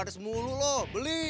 eh mau lah